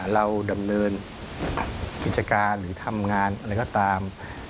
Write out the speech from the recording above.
เราดำเนินกิจการหรือทำงานอะไรก็ตาม